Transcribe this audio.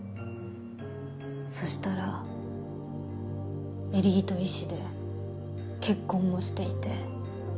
そしたらエリート医師で結婚もしていて。